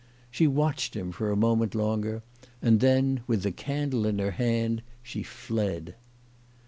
She watched him for a moment longer, and then, with the candle in her hand, she fled.